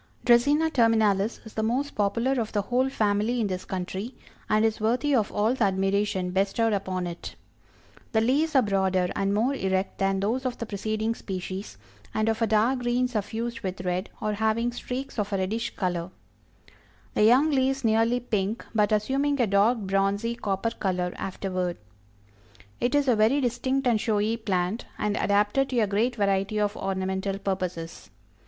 Dracæna terminalis is the most popular of the whole family in this country, and is worthy of all the admiration bestowed upon it. The leaves are broader and more erect than those of the preceding species, and of a dark green suffused with red, or having streaks of a reddish color; the young leaves nearly pink, but assuming a dark bronzy copper color afterward. It is a very distinct and showy plant, and adapted to a great variety of ornamental purposes.